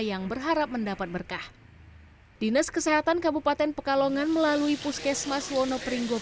yang berharap mendapat berkah dinas kesehatan kabupaten pekalongan melalui puskesmas wonopringgo